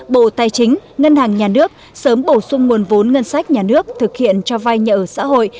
bộ tài chính ngân hàng nhà nước sớm bổ sung nguồn vốn ngân sách nhà nước thực hiện cho vay nhà ở xã hội